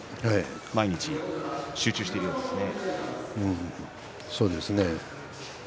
毎日、集中しているようですね。